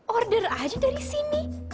order aja dari sini